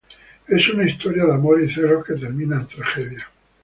Es una historia de amor y celos que termina en tragedia.